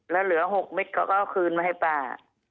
แล้วเหลือ๖เม็ดเขาก็เอาคืนมาให้ป้า